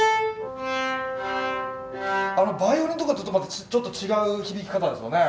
あのバイオリンとかとまたちょっと違う響き方ですよね。